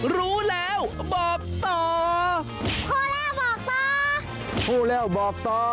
รู้แล้วบอกต่อ